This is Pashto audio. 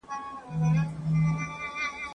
زه به اوږده موده مځکي ته کتلې وم؟